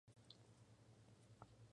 Mapa de la localidad en Google Maps